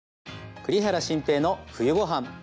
「栗原心平の冬ごはん」。